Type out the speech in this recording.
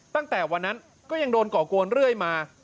ตั้งแต่วันนั้นก็ยังโดนก่อกวนเรื่อยมา